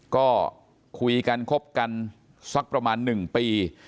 ก็คุยกันคบกันสักประมาณ๑ปี